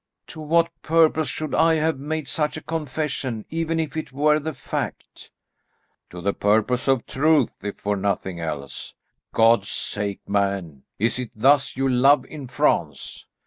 "To what purpose should I have made such a confession, even if it were the fact?" "To the purpose of truth, if for nothing else. God's sake, man, is it thus you love in France!